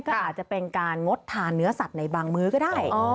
ก็อาจจะเป็นการงดทานเนื้อสัตว์ในบางมื้อก็ได้